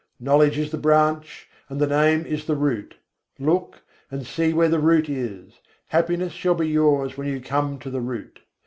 Knowledge is the branch, and the Name is the root. Look, and see where the root is: happiness shall be yours when you come to the root.